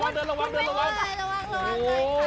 ไม่ร้ายระวังระวังระวัง